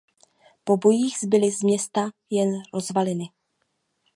Po bojích zbyly z města jen rozvaliny.